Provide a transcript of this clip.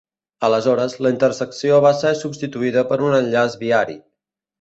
Aleshores, la intersecció va ser substituïda per un enllaç viari.